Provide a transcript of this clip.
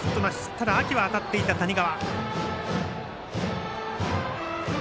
ただ秋は当たっていた、谷川。